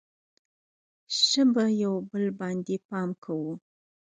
ښه به یو بل باندې پام کوو.